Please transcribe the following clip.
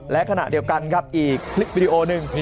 และขณะเดียวกันครับอีกคลิปวิดีโอหนึ่ง